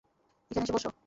এখানে এসে বস।